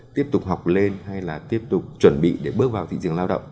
tiếp tục học lên hay là tiếp tục chuẩn bị để bước vào thị trường lao động